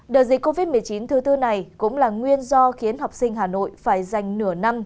đợt dịch covid một mươi chín thứ tư này cũng là nguyên do khiến học sinh hà nội phải dành nửa năm